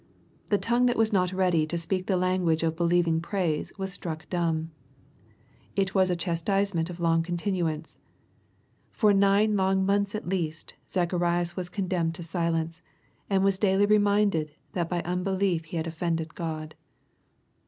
The tongue that was not ready to speak the language of believing praise was struck dumb. — It was a chastisement of long continuance. For nine long months at least, Zacharias was condemned to silence, and was daily reminded, that by unbelief he had offended God.